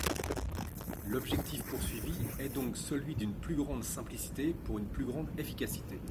L’objectif poursuivi est donc celui d’une plus grande simplicité, pour une plus grande efficacité.